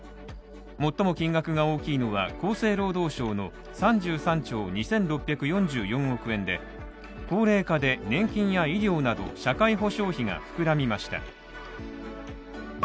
最も金額が大きいのは厚生労働省の３３兆２６４４億円で、高齢化で年金や医療など、社会保障費が膨らみました。